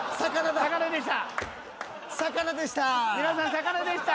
魚でした。